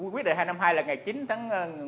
quyết định hai trăm năm mươi hai là ngày chín tháng